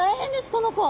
この子。